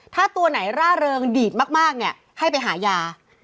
ถ้าตัวไหนร่าเริงดีดมากเนี่ยให้ไปหายา